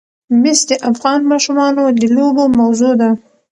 مس د افغان ماشومانو د لوبو موضوع ده.